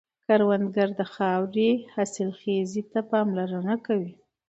کروندګر د خاورې حاصلخېزي ته پاملرنه کوي